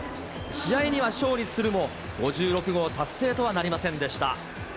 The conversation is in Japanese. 試合には勝利するも、５６号達成とはなりませんでした。